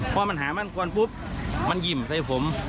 พอมันหามั่นกวนปุ๊บมันหิ่มใส่ผม